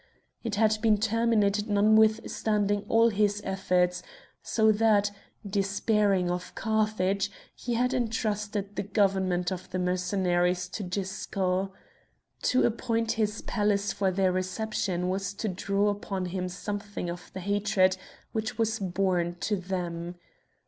It had been terminated notwithstanding all his efforts, so that, despairing of Carthage, he had entrusted the government of the Mercenaries to Gisco. To appoint his palace for their reception was to draw upon him something of the hatred which was borne to them.